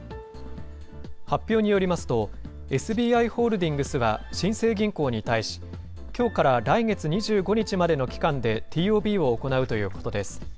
発表によりますと、ＳＢＩホールディングスは、新生銀行に対し、きょうから来月２５日までの期間でＴＯＢを行うということです。